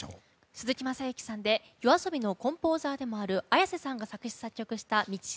鈴木雅之さんでＹＯＡＳＯＢＩのコンポーザーでもあるＡｙａｓｅさんが作詞・作曲した「道導」。